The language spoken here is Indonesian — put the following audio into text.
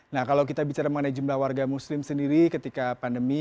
nah kalau kita bicara mengenai jumlah warga muslim sendiri ketika pandemi